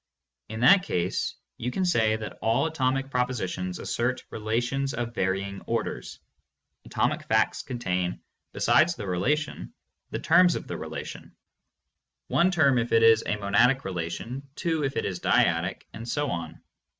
In that case you can say that all atomic propositions assert relations of varying orders. Atomic facts contain, besides the relation, the terms of the relation — one term if it is a monadic relation, two if it is dyadic, and so on.